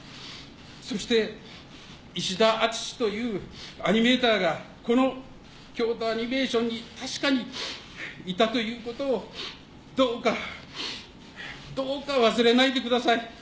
そして石田敦志というアニメーターがこの京都アニメーションに確かにいたということをどうかどうか忘れないでください。